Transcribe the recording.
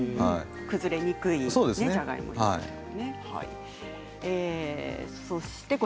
崩れにくいじゃがいもになるんですね。